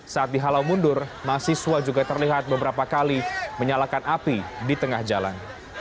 saat dihalau mundur mahasiswa juga terlihat beberapa kali menyalakan api di tengah jalan